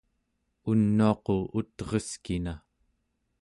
unuaqu ut'reskina